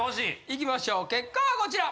いきましょう結果はこちら！